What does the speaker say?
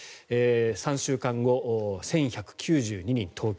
３週間後１１９２人、東京。